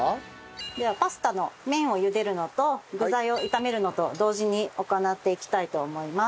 ではパスタの麺を茹でるのと具材を炒めるのと同時に行っていきたいと思います。